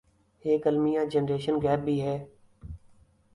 ایک المیہ generation gap بھی ہے